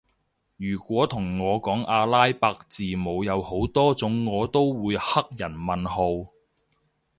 如果同我講阿拉伯字母有好多種我都會黑人問號